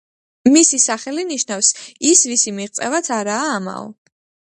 მისი სახელი ნიშნავს „ის, ვისი მიღწევაც არაა ამაო“.